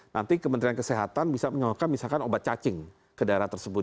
nanti kementerian kesehatan bisa menyalurkan misalkan obat cacing ke daerah tersebut